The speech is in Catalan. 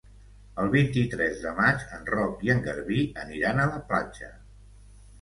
El vint-i-tres de maig en Roc i en Garbí aniran a la platja.